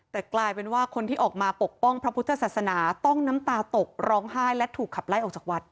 แต่กลายเป็นว่าคนที่ออกมาปกป้องพระพุทธศาสนาต้องน้ำตาตกร้องไห้และถูกขับไล่ออกจากวัด